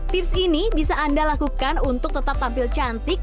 tips ini bisa anda lakukan untuk tetap tampil cantik